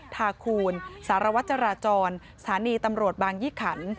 ทาคูณสารวัตรจราจรสถานีตำรวจบางยี่ขัน